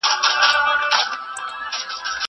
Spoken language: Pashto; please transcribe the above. زه باید اوبه وڅښم!